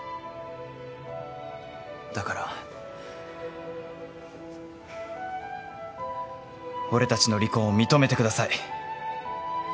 だから俺たちの離婚を認めてください。